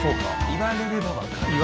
言われれば分かる。